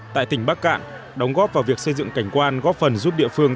tại tỉnh bắc cạn đóng góp vào việc xây dựng cảnh quan góp phần giúp địa phương